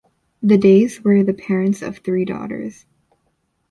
The Days were the parents of three daughters.